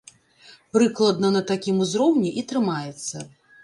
Прыкладна на такім узроўні і трымаецца.